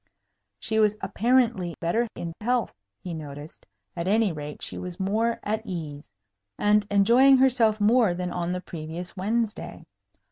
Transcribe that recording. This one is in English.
She was apparently better in health, he noticed; at any rate, she was more at ease, and enjoying herself more than on the previous Wednesday.